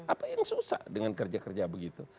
apa yang susah dengan kerja kerja begitu